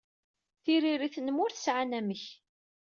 Tiririt-nnem ur tesɛi anamek.